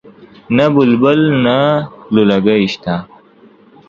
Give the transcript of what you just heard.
نه بلبل نه لولکۍ شته